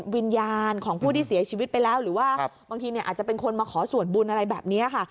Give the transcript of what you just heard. วิญญาณของผู้ที่เสียชีวิตไปแล้วหรือว่าบางทีอาจจะเป็นคนมาขอส่วนบุญอะไรแบบนี้ค่ะ